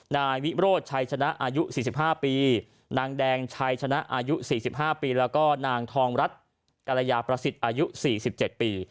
นายวิโรธชัยชนะอายุ๔๕ปีนางแดงชัยชนะอายุ๔๕ปีแล้วก็นางทองรัฐกรยาประสิทธิ์อายุ๔๗ปี